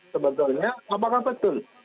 sebetulnya apakah betul